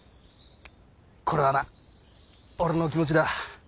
これはな俺の気持ちだ。